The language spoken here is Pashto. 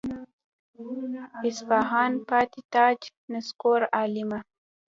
اصفهان پاتې تاج نسکور عالمه.